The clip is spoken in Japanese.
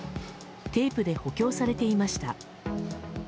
テープで補強されていました。